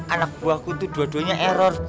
anak buahku itu dua duanya error